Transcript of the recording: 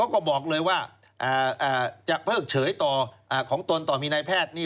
ก็บอกเลยว่าจะเพิกเฉยต่อของตนต่อมีนายแพทย์นี่